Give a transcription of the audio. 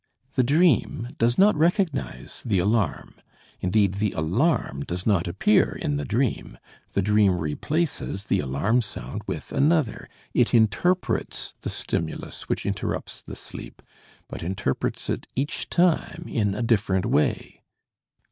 The dream does not recognize the alarm indeed the alarm does not appear in the dream the dream replaces the alarm sound with another, it interprets the stimulus which interrupts the sleep, but interprets it each time in a different way.